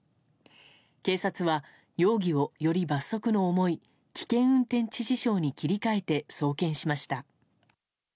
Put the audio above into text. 警察は、容疑をより罰則の重い危険運転致死傷に切り替えて送検しました。